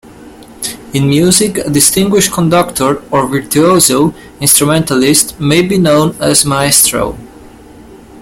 In music, a distinguished conductor or virtuoso instrumentalist may be known as "Maestro".